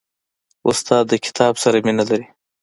استاد د کتاب سره مینه لري.